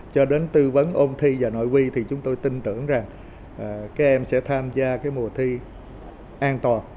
cho đến tư vấn ôn thi và nội vi thì chúng tôi tin tưởng rằng các em sẽ tham gia mùa thi an toàn